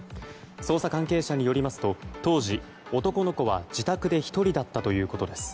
捜査関係者によりますと当時、男の子は自宅で１人だったということです。